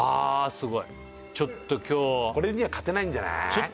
すごいちょっと今日これには勝てないんじゃない？